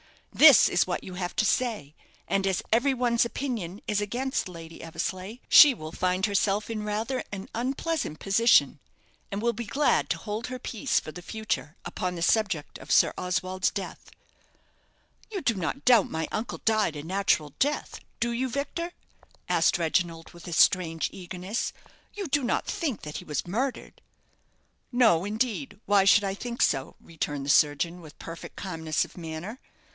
This is what you have to say; and as every one's opinion is against Lady Eversleigh, she will find herself in rather an unpleasant position, and will be glad to hold her peace for the future upon the subject of Sir Oswald's death." "You do not doubt my uncle died a natural death, do you, Victor?" asked Reginald, with a strange eagerness. "You do not think that he was murdered?" "No, indeed. Why should I think so?" returned the surgeon, with perfect calmness of manner.